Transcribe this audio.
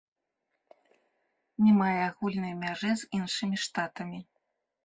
Не мае агульнай мяжы з іншымі штатамі.